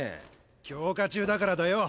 強化中だからだよ。